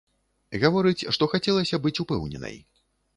Гаворыць, што хацелася быць упэўненай.